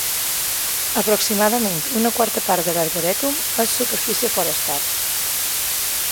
Aproximadament una quarta part de l'arborètum és superfície forestal.